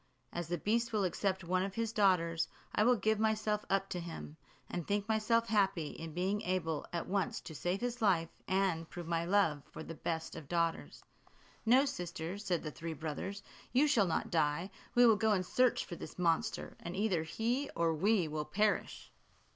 As the beast will accept of one of his daughters, I will give myself up to him; and think myself happy in being able at once to save his life, and prove my love for the best of fathers." "No, sister," said the three brothers, "you shall not die; we will go in search for this monster, and either he or we will perish."